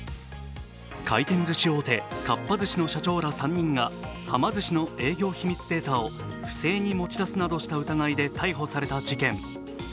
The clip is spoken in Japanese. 回転ずし大手、かっぱ寿司の社長ら３人が、はま寿司のデータを不正に持ち出すなどした疑いで逮捕された事件。